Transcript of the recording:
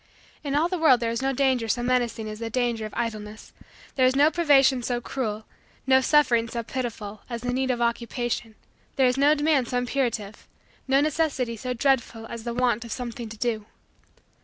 In all the world there is no danger so menacing as the danger of idleness: there is no privation so cruel, no suffering so pitiful, as the need of Occupation: there is no demand so imperative, no necessity so dreadful, as the want of something to do.